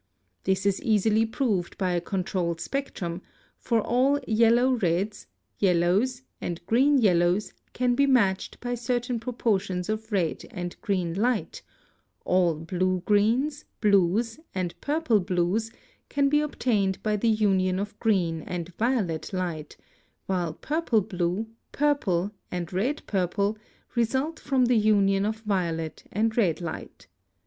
This is easily proved by a controlled spectrum, for all yellow reds, yellows, and green yellows can be matched by certain proportions of red and green light, all blue greens, blues, and purple blues can be obtained by the union of green and violet light, while purple blue, purple, and red purple result from the union of violet and red light.